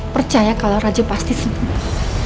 percaya kalau raja pasti senang